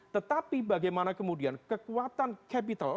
tetapi bagaimana kemudian kekuatan capital